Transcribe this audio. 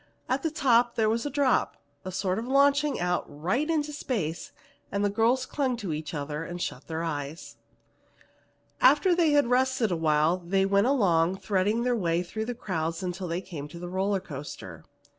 At the top there was a drop, a sort of launching out right into space, and the girls clung to each other and shut their eyes. After they had rested awhile they went along, threading their way through the crowds until they came to the roller coaster.